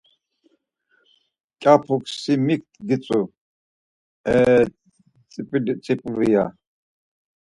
Mǩyapuk, Si mik gitzuuu, e tzip̌iliuuu? ya.